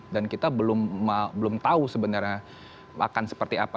dan kita belum tahu sebenarnya akan seperti apa